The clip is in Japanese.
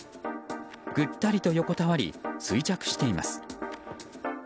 ぐったりと横たわり衰弱しています。